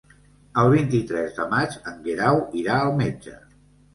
El vint-i-tres de maig en Guerau irà al metge.